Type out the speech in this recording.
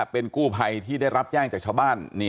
เป็นกู้ภัยที่ได้รับแจ้งจากชาวบ้าน